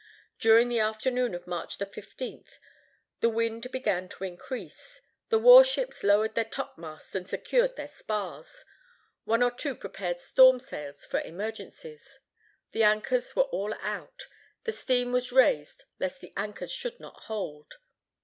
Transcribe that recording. During the afternoon of March 15, the wind began to increase: the war ships lowered their topmasts and secured their spars; one or two prepared storm sails for emergencies. The anchors were all out, and steam was raised lest the anchors should not hold.